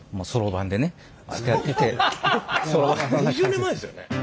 ２０年前ですよね？